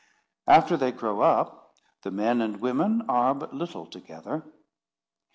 After they grow up, the men and women are but little together.